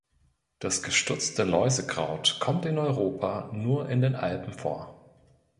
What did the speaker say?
Das Gestutzte Läusekraut kommt in Europa nur in den Alpen vor.